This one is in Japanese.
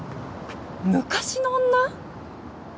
昔の女？